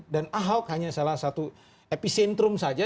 dan ahok hanya salah satu epicentrum saja